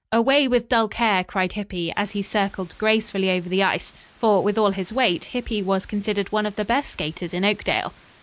"Away with dull care!" cried Hippy, as he circled gracefully over the ice; for, with all his weight, Hippy was considered one of the best skaters in Oakdale.